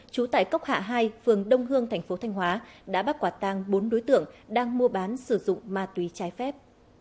trú tại cốc hạ hai phường đông hương tp thanh hóa đã bắt quả tang bốn đối tượng đang mua bán sử dụng ma túy trái phép